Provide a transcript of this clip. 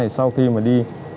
sau khi mà đi